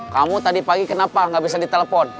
kamu tadi pagi kenapa gak bisa di telepon